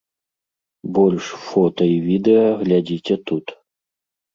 Больш фота і відэа глядзіце тут.